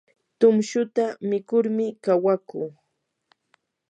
tumshuta mikurmi kawakuu.